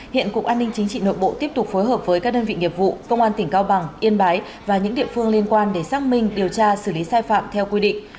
hiện cục an ninh chính trị nội bộ tiếp tục phối hợp với các đơn vị nghiệp vụ công an tỉnh cao bằng yên bái và những địa phương liên quan để xác minh điều tra xử lý sai phạm theo quy định